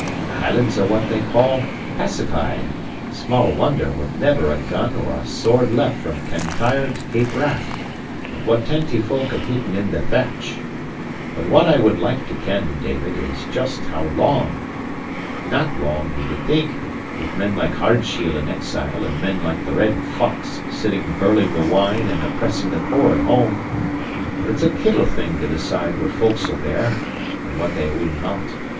The Hielands are what they call pacified. Small wonder, with never a gun or a sword left from Cantyre to Cape Wrath, but what tenty* folk have hidden in their thatch! But what I would like to ken, David, is just how long? Not long, ye would think, with men like Ardshiel in exile and men like the Red Fox sitting birling the wine and oppressing the poor at home. But it's a kittle thing to decide what folk'll bear, and what they will not.